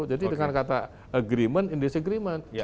jadi dengan kata agreement indeseagreement